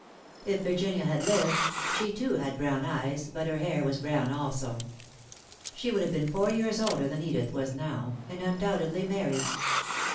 If Virginia had lived she, too, had brown eyes, but her hair was brown also. She would have been four years older than Edith was now, and, undoubtedly, married.